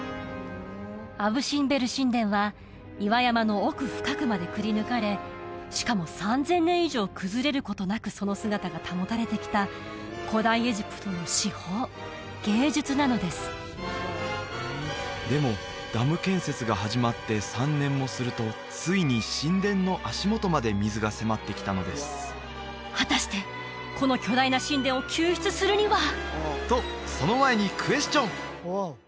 アブ・シンベル神殿は岩山の奥深くまでくりぬかれしかも３０００年以上崩れることなくその姿が保たれてきた古代エジプトの至宝芸術なのですでもダム建設が始まって３年もするとついに神殿の足元まで水が迫ってきたのです果たしてこの巨大な神殿を救出するには！？とその前にクエスチョン！